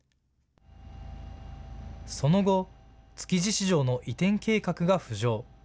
その後、築地市場の移転計画が浮上。